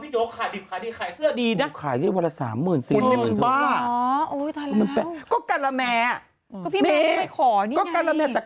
ใช่หรือว่าพี่โจ๊กขายดิบขายดี